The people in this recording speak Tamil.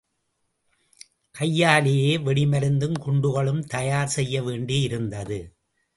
கையாலேயே வெடிமருந்தும் குண்டுகளும் தயார் செய்யவேண்டி இருந்தது.